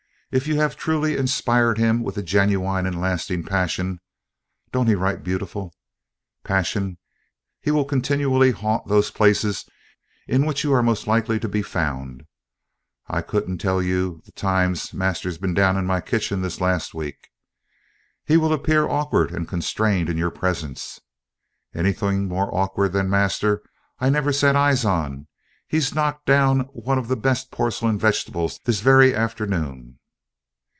If you have truly inspired him with a genuine and lasting passion' (don't he write beautiful?) 'passion, he will continually haunt those places in which you are most likely to be found' (I couldn't tell you the times master's bin down in my kitching this last week); 'he will appear awkward and constrained in your presence' (anything more awkward than master I never set eyes on. He's knocked down one of the best porcelain vegetables this very afternoon!)